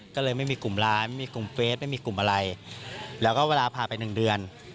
ก็เลยไม่มีกลุ่มไลน์ไม่มีกลุ่มเฟสไม่มีกลุ่มอะไรแล้วก็เวลาพาไปหนึ่งเดือน